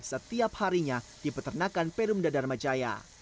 setiap harinya di peternakan perumda dharmajaya